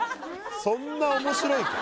そんな面白いか？